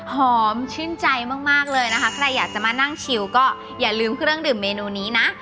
หอมชื่นใจมากเลยนะคะใครอยากจะมานั่งชิวก็อย่าลืมเครื่องดื่มเมนูนี้นะ